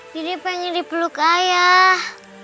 jadi pengen dipeluk ayah